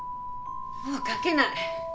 もう書けない！